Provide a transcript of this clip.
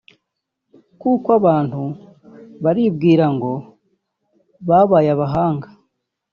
Kuko abantu baribwira ngo babaye abahanga